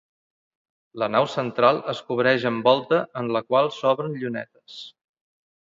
La nau central es cobreix amb volta en la qual s'obren llunetes.